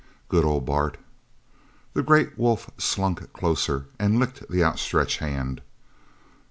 "Good ol' Bart!" The great wolf slunk closer, and licked the outstretched hand.